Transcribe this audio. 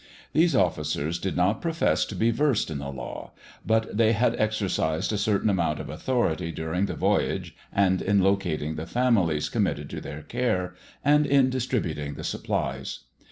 These officers did not profess to be versed in the law, but they had exercised a certain amount of authority during the voyage and in locating the families committed to their care, and in distributing the supplies.